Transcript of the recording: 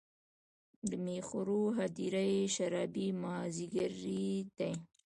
د میخورو هـــــدیره یې شــــــرابي مــــاځیګری دی